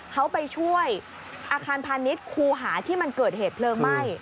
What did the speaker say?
เขาไปช่วยอาคารพาณิชย์คูหาที่มันเกิดเหตุเพลิงไหม้